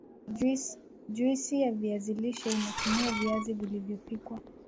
juisi ya viazi lishe inatumia viazi vilivyopikwa